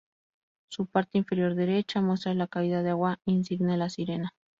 Su parte inferior derecha muestra la caída de agua insigne La Sirena.